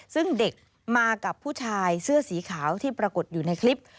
ซึ่งเด็กมากับผู้ชายเสื้อสีขาวที่ปรากฏอยู่ในคลิป